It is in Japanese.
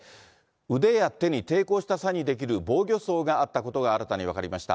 腕や手に抵抗した際に出来る防御創があったことが新たに分かりました。